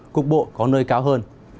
cục bộ có nơi cao hơn